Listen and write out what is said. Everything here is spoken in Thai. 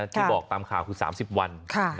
ที่บอกตามข่าวคือ๓๐วัน